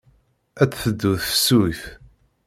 Ad teddu tefsut.